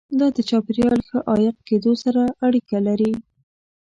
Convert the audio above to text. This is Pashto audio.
دا د چاپیریال ښه عایق کېدو سره اړیکه لري.